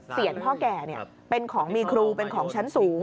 พ่อแก่เป็นของมีครูเป็นของชั้นสูง